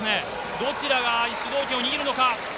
どちらが主導権を握るのか。